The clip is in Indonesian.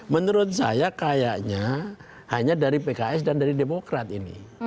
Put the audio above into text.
menurut saya kayaknya hanya dari pks dan dari demokrat ini